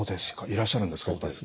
いらっしゃるんですか。